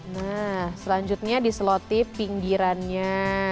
nah selanjutnya diselotip pinggirannya